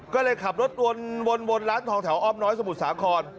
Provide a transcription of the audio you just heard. ก็เลยขับรถวนร้านทองแถวอ้อมน้อยสมุทรสาคร